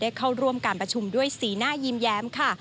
เข้าร่วมการประชุมด้วยสีหน้ายิ้มแย้มค่ะ